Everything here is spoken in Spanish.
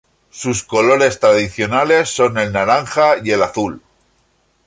Sus colores tradicionales son el Naranja Y el Azul.